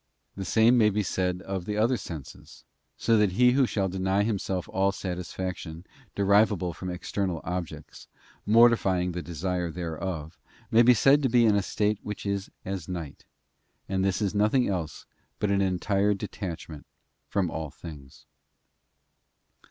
The same may be said of the other senses, so that he who shall deny himself all satisfaction de rivable from external objects, mortifying the desire thereof, may be said to be in a state whicli is as night, and this is nothing else but an entire detachment from all things.